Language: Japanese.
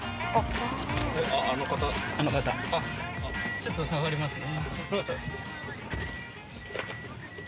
ちょっと下がりますね。